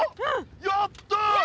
やった！